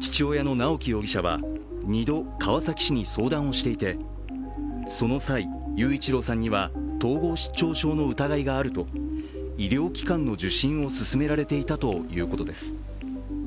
父親の直樹容疑者は２度川崎市に相談をしていてその際、雄一郎さんには統合失調症の疑いがあると医療機関の受診を勧められていたということです。